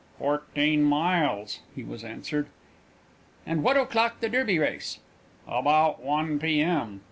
"Fourteen miles," he was answered. "And what o'clock the Derby race?" "About one P.M."